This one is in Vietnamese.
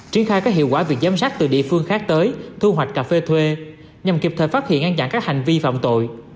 triển khai các hiệu quả việc giám sát từ địa phương khác tới thu hoạch cà phê thuê nhằm kịp thời phát hiện ngăn chặn các hành vi phạm tội